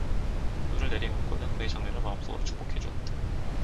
눈을 내리감고는 그의 장래를 마음속으로 축복해 주었다.